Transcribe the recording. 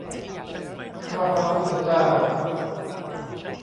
ข้าพระพุทธเจ้า